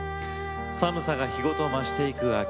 寒さが日ごと増していく秋。